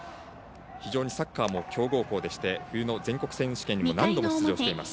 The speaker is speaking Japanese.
非常にサッカーも強豪校でして冬の全国選手権にも何度も出場しています。